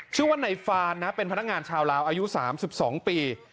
ชื่อว่าในฟานนะเป็นพนักงานชาวลาวอายุ๓๒ปี